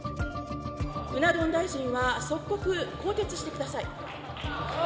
うな丼大臣は即刻更迭してください。